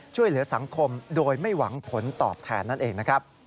ช่วยเหลือสังคมโดยไม่หวังผลตอบแทนนั่นเองนะครับ